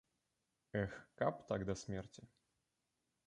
Эх, каб так да смерці!